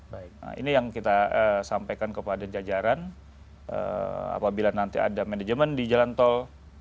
baik ini yang kita sampaikan kepada jajaran apabila nanti ada manajemen di jalan tol